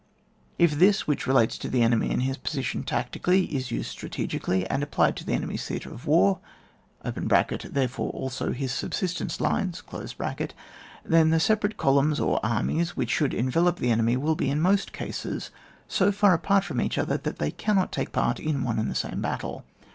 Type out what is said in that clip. If this, which relates to the enemy and his position tactically, is used strategi cally, and applied to the enemy's theatre of war (therefore, also, to his subsistence lines), then the separate columns, or armies, which should envelop the enemy, will be, in most cases, so fkr apart from each other that they cannot take part in one and the same battle.